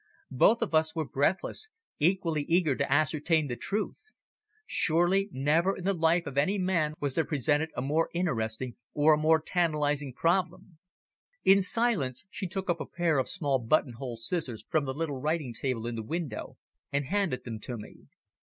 Both of us were breathless, equally eager to ascertain the truth. Surely never in the life of any man was there presented a more interesting or a more tantalising problem. In silence she took up a pair of small buttonhole scissors from the little writing table in the window and handed them to me.